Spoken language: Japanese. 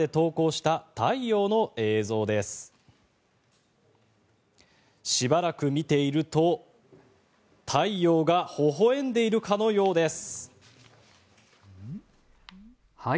しばらく見ていると、太陽がほほ笑んでいるかのようです。